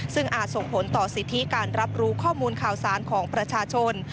ซึ่งอาจส่งผลต่อสิทธิการรับรู้ข้อมูลข่าวสารของประชาชน